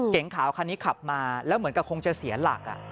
ขาวคันนี้ขับมาแล้วเหมือนกับคงจะเสียหลัก